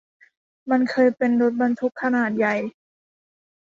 มันเคยเป็นรถบรรทุกขนาดใหญ่